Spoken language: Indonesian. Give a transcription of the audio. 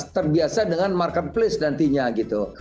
terbiasa dengan marketplace nantinya gitu